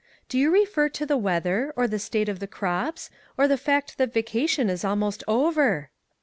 " Do you refer to the weather, or the state of the crops, or the fact that vaca tion is almost over